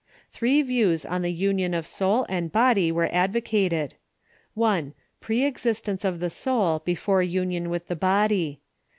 Three views on the union of soul and body were advocated : 1. Pre existence of the soul before union with the body.